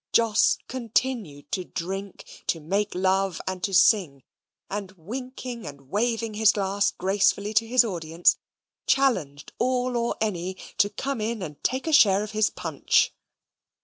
Jos continued to drink, to make love, and to sing; and, winking and waving his glass gracefully to his audience, challenged all or any to come in and take a share of his punch.